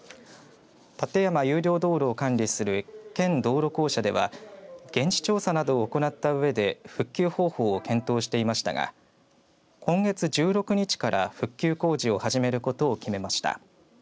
立山有料道路を管理する県道路公社では現地調査などを行ったうえで復旧方法を検討していましたが今月１６日から復旧工事を始めることを決めました。